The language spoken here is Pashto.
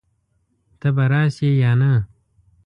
ته به راشې يا نه؟